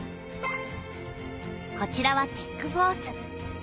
こちらは「テック・フォース」。